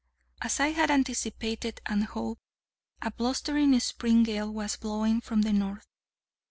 As I had anticipated, and hoped, a blustering spring gale was blowing from the north.